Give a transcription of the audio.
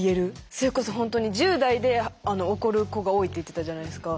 それこそ本当に１０代で起こる子が多いって言ってたじゃないですか。